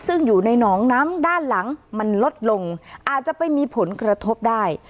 ซึ่งอยู่ในหนองน้ำด้านหลังมันลดลงอาจจะไปมีผลกระทบได้